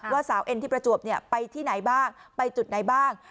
ว่าสาวเอ็นที่ประจวบไปที่ไหนบ้างไปจุดไหนบ้าง